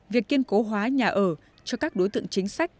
việc kiên cố hóa nhà ở cho các đối tượng chính sách